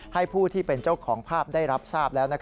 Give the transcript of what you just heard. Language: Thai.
ผู้ที่เป็นเจ้าของภาพได้รับทราบแล้ว